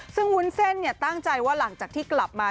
ซึ่งวุ้นเส้นตั้งใจว่าหลังจากที่กลับมา